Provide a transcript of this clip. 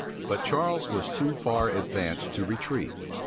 But Charles was too far advanced to retreat.